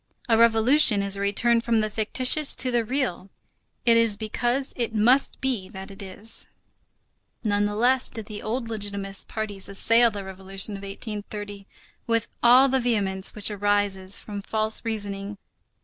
A revolution is a return from the fictitious to the real. It is because it must be that it is. Nonetheless did the old legitimist parties assail the Revolution of 1830 with all the vehemence which arises from false reasoning.